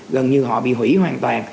gần như họ bị hủy hoàn toàn